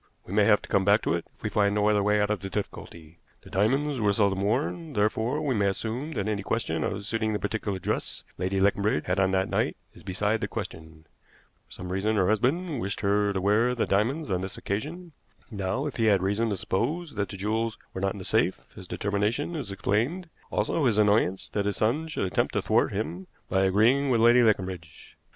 "We may have to come back to it if we find no other way out of the difficulty. The diamonds were seldom worn, therefore we may assume that any question of suiting the particular dress Lady Leconbridge had on that night is beside the question. For some reason her husband wished her to wear the diamonds on this occasion. Now, if he had reason to suppose that the jewels were not in the safe, his determination is explained, also his annoyance that his son should attempt to thwart him by agreeing with Lady Leconbridge.